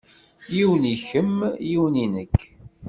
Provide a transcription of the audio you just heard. Yiwen i kemm yiwen i nekk.